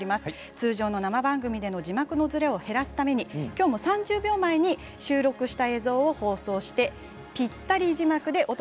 通常の生番組での字幕のずれを減らすためにきょうも３０秒前に収録した映像を放送してぴったり字幕でお届けしていきます。